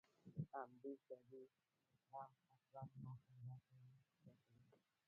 همدې ښادۍ، غم، خپګان او خیرات ته یې ساتلې.